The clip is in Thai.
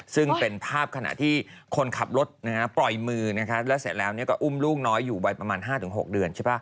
ซึ่งเป็นภาพขณะที่คนขับรถปล่อยมือแล้วเสร็จแล้วก็อุ้มลูกน้อยอยู่วัยประมาณ๕๖เดือนใช่ป่ะ